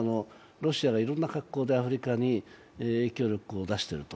ロシアがいろんな格好でアフリカに影響力を出していると。